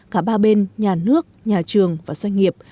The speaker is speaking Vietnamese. cả ba bên nhà nước nhà trường và doanh nghiệp